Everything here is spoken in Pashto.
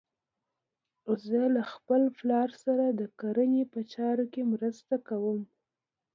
زه له خپل پلار سره د کرنې په چارو کې مرسته کوم.